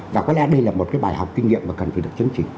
và có lẽ đây là một cái bài học kinh nghiệm mà cần phải được chứng chỉ